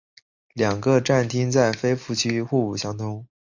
两个站厅在非付费区互不相通。